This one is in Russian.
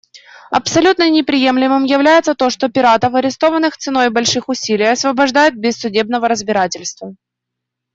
Абсолютно неприемлемым является то, что пиратов, арестованных ценой больших усилий, освобождают без судебного разбирательства.